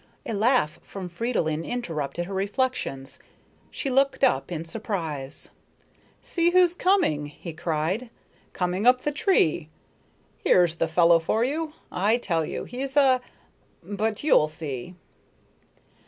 A laugh from Fridolin interrupted her reflections. She looked up in surprise. "See who's coming," he cried, "coming up the tree. Here's the fellow for you! I tell you, he's a but you'll see."